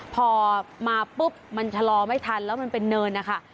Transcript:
พอมาปุ๊บมันชะลอไม่ทันแล้วมันเป็นเนินนะคะ